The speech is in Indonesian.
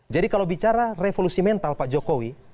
jadi kalau bicara revolusi mental pak jokowi